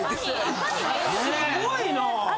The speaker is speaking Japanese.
すごいなぁ！